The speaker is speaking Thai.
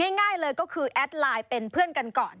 ง่ายเลยก็คือแอดไลน์เป็นเพื่อนกันก่อน